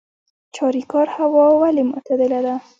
چاریکار هوا ولې معتدله ده؟